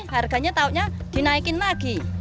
harganya tahunya dinaikin lagi